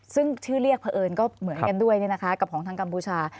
ซึ่งชื่อเรียกเผอิญก็เหมือนกันด้วยกับของทางกัมพูชา